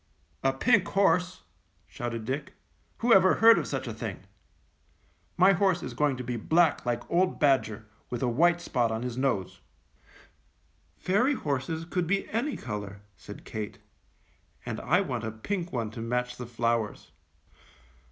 "A pink horse," shouted Dick, "who ever heard of such a thing? My horse is going to be black like old Badger, with a white spot on his nose." "Fairy horses could be any color," said Kate, "and I want a pink one to match the flowers."